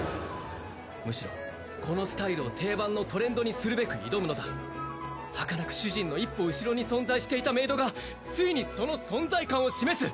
むしろこのスタイルを定番のトレンドにするべく挑むのだはかなく主人の一歩後ろに存在していたメイドがついにその存在感を示す！